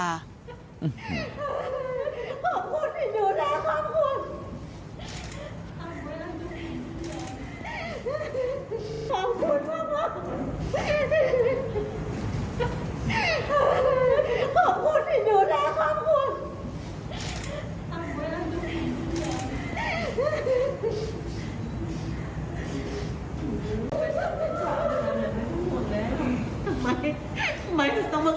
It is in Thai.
ไม่ต้องมาเกิดกับพี่